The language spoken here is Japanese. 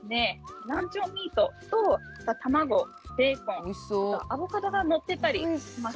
ランチョンミートと卵、ベーコンアボカドが載っていたりします。